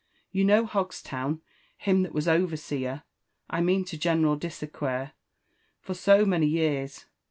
You know Hogstown? him that was overseer, I mean, to General Dissequeur, for so many years.